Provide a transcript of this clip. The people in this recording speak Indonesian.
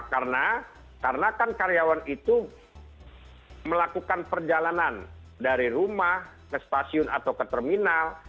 karena karyawan itu melakukan perjalanan dari rumah ke stasiun atau ke terminal